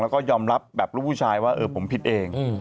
แล้วก็ยอมรับแบบลูกผู้ชายว่าเออผมผิดเอง